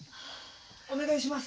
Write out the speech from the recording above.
お願いします。